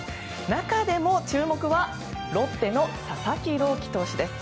中でも注目はロッテの佐々木朗希投手です。